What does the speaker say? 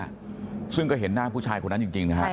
เพื่อจะให้เห็นหน้าซึ่งก็เห็นหน้าผู้ชายคนนั้นจริงนะครับ